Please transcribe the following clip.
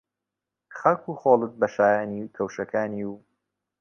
خاک و خۆڵت بە شایانی کەوشەکانی و